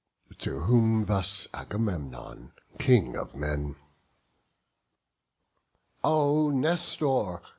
To whom thus Agamemnon, King of men: "O Nestor!